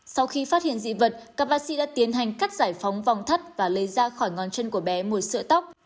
sau khi phát hiện dị vật các bác sĩ đã tiến hành cắt giải phóng vòng thắt và lấy ra khỏi ngón chân của bé một sợi tóc